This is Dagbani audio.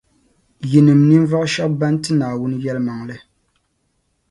Yinim’ ninvuɣu shɛba ban ti Naawuni yεlimaŋli.